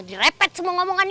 direpet semua ngomongannya